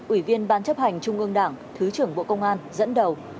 ủy viên ban chấp hành trung ương đảng thứ trưởng bộ công an dẫn đầu